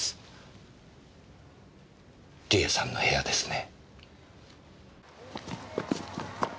梨絵さんの部屋ですね。